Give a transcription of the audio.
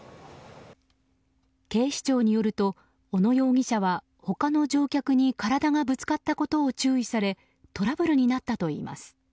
警視庁によると小野容疑者は他の乗客に体がぶつかったことを注意されトラブルになったといいます。